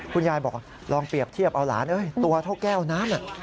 คุณยายบอกลองเปรียบเทียบเอาหลานตัวเท่าแก้วน้ำ